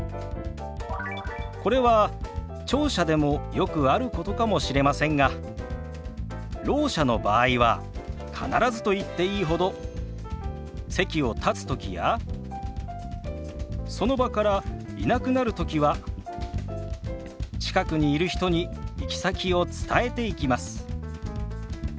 これは聴者でもよくあることかもしれませんがろう者の場合は必ずと言っていいほど席を立つときやその場からいなくなるときは近くにいる人に行き先を伝えていきます。